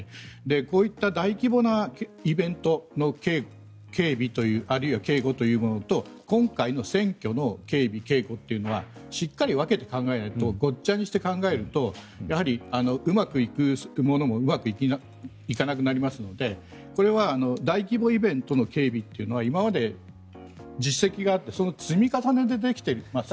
こういった大規模なイベントの警備というあるいは警護というものと今回の選挙の警備・警護というものはしっかり分けて考えないとごっちゃにして考えるとやはり、うまくいくものもうまくいかなくなりますのでこれは大規模イベントの警備というのは今まで実績があってその積み重ねでできていますし。